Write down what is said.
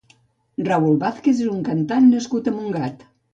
Raoul Vázquez és un cantant nascut a Montgat.